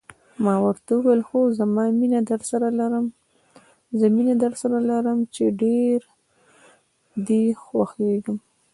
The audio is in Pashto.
ما ورته وویل: خو زه مینه درسره لرم، چې ډېر دې خوښېږم.